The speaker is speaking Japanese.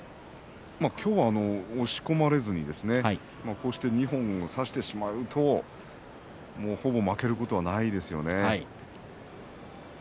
今日は押し込まれずにこうして二本差してしまうとほぼ負けることはないですよね。